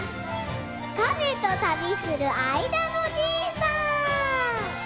カメとたびするあいだのじいさん！